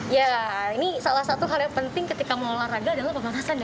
ya ini salah satu hal yang penting ketika mengolahraga adalah pemanasan ya